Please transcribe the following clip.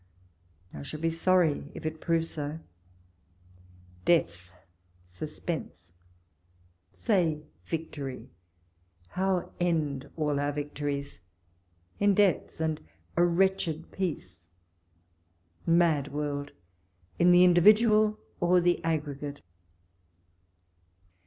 I shall be sorry if it prove so. Deaths ! suspense, say victory ;— how end all our victories? In debts and a wretched peace I Mad world, in the individual or the aggregate